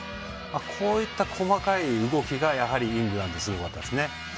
こういった細かい動きがイングランドはすごかったですね。